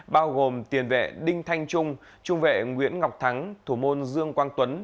bao gồm tiền vệ đinh thanh trung trung vệ nguyễn ngọc thắng thủ môn dương quang tuấn